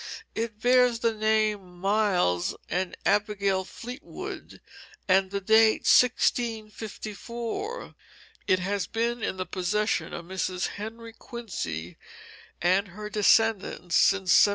It bears the names Miles and Abigail Fleetwood, and the date 1654. It has been in the possession of Mrs. Henry Quincy and her descendants since 1750.